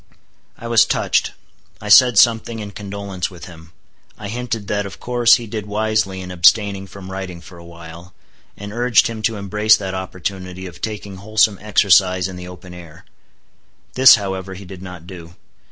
I was touched. I said something in condolence with him. I hinted that of course he did wisely in abstaining from writing for a while; and urged him to embrace that opportunity of taking wholesome exercise in the open air. This, however, he did not do.